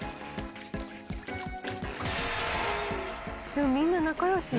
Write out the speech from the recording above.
でもみんな仲良し。